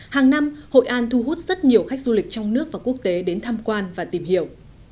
hàng năm hội an thu hút rất nhiều khách du lịch trong nước và quốc tế đến tham quan và tìm hiểu